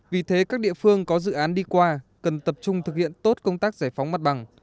vì thế các địa phương có dự án đi qua cần tập trung thực hiện tốt công tác giải phóng mặt bằng